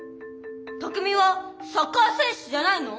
拓海はサッカー選手じゃないの？